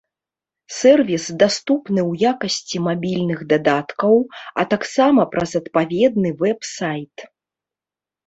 Сэрвіс даступны ў якасці мабільных дадаткаў, а таксама праз адпаведны вэб-сайт.